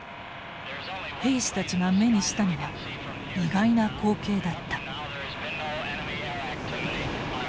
兵士たちが目にしたのは意外な光景だった。